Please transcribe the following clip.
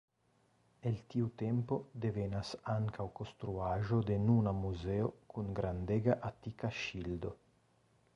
El tiu tempo devenas ankaŭ konstruaĵo de nuna muzeo kun grandega atika ŝildo.